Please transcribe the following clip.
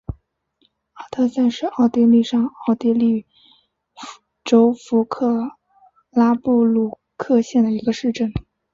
阿特塞是奥地利上奥地利州弗克拉布鲁克县的一个市镇。